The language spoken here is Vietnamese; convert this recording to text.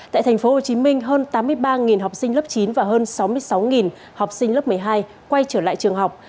tại tp hcm hơn tám mươi ba học sinh lớp chín và hơn sáu mươi sáu học sinh lớp một mươi hai quay trở lại trường học